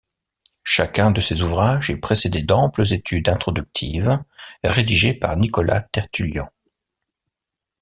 Chacun de ces ouvrages est précédé d’amples études introductives rédigées par Nicolas Tertulian.